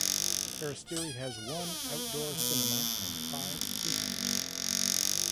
Peristeri has one outdoor cinema and five theatres.